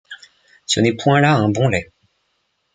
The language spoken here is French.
Ce n’est point là un bon lait.